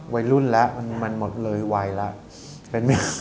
วัยรุ่นแล้วมันหมดเลยไวแล้ว